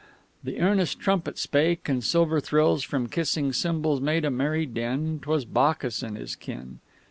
The earnest trumpet spake, and silver thrills From kissing cymbals made a merry din 'Twas Bacchus and his kin!